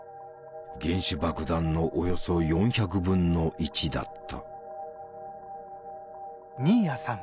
原子爆弾のおよそ４００分の１だった。